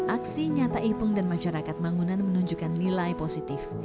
aksi nyata ipung dan masyarakat manggunan menunjukkan nilai positif